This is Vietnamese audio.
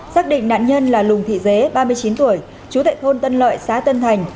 xác định nạn nhân là lùng thị dế ba mươi chín tuổi chú tại thôn tân lợi xã tân thành